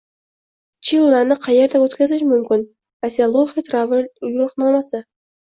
Chillani qayerda o‘tkazish mumkin: Asialuxe Travel yo‘riqnomasi